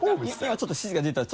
今ちょっと指示が出たら。